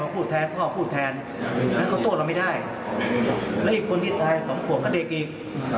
พ่อแทนก็โตตเหลังไม่ได้และอีกคนนี่อีก